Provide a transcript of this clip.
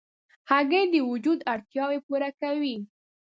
هګۍ د وجود اړتیاوې پوره کوي.